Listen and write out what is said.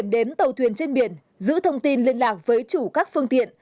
đến tàu thuyền trên biển giữ thông tin liên lạc với chủ các phương tiện